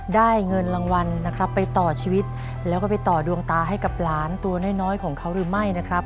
ได้เงินรางวัลนะครับไปต่อชีวิตแล้วก็ไปต่อดวงตาให้กับหลานตัวน้อยน้อยของเขาหรือไม่นะครับ